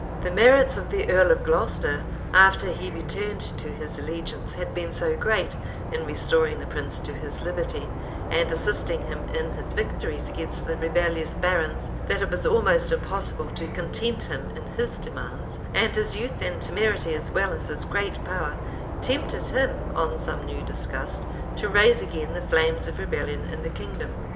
} The merits of the earl of Glocester, after he returned to his allegiance, had been so great, in restoring the prince to his liberty, and assisting him in his victories against the rebellious barons, that it was almost impossible to content him in his demands; and his youth and temerity as well as his great power, tempted him, on some new disgust, to raise again the flames of rebellion in the kingdom.